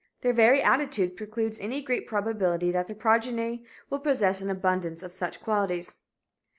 Their very attitude precludes any great probability that their progeny will possess an abundance of such qualities.